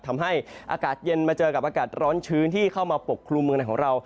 ทำให้อากาศเย็นมาเจอกับอากาศร้อนชื้นที่เข้ามาปกครุมเมืองในของเรา